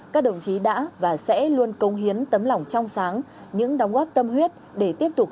các đồng chí đã và sẽ luôn công hiến tấm lòng trong sáng những đóng góp tâm huyết để tiếp tục